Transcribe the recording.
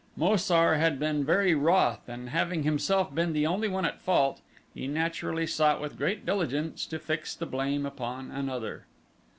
Mo sar had been very wroth and having himself been the only one at fault he naturally sought with great diligence to fix the blame upon another.